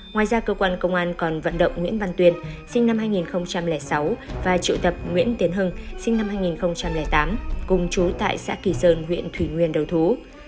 ngoài ra cơ quan công an còn vận động nguyễn văn tuyên sinh năm hai nghìn sáu và triệu tập nguyễn tiến hưng sinh năm hai nghìn tám cùng chú tại xã kỳ sơn huyện thủy nguyên đầu thú